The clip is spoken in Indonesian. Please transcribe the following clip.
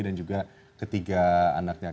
dan juga ketiga anaknya